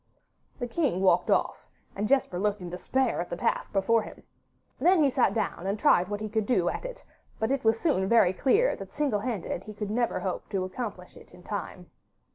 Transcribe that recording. The king walked off, and Jesper looked in despair at the task before him. Then he sat down and tried what he could do at it, but it was soon very clear that single handed he could never hope to accomplish it in the time.